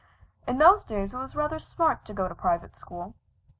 In those days it was rather smart to go to a private school.